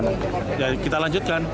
ya kita lanjutkan